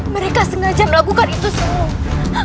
mereka sengaja melakukan itu semua